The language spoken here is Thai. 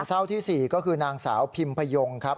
เศร้าที่๔ก็คือนางสาวพิมพยงครับ